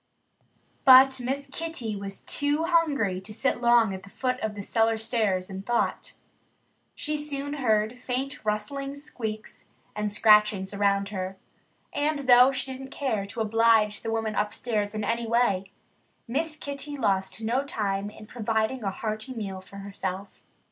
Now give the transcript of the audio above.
But Miss Kitty was too hungry to sit long at the foot of the cellar stairs in thought. She soon heard faint rustlings squeaks, and scratchings around her. And though she didn't care to oblige the woman upstairs in any way, Miss Kitty lost no time in providing a hearty meal for herself.